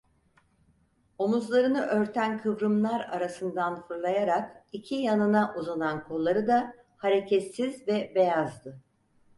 Omuzlarını örten kıvrımlar arasından fırlayarak iki yanına uzanan kolları da hareketsiz ve beyazdı.